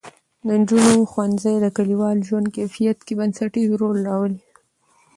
د نجونو ښوونځی د کلیوالو ژوند کیفیت کې بنسټیز بدلون راولي.